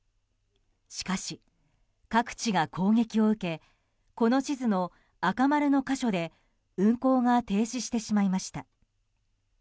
しかし、各地が攻撃を受けこの地図の赤丸の箇所で運行が停止してしまいました。